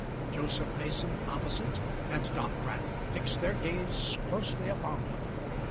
Joseph Mason opposite and Dockwrath fixed their gaze closely upon her.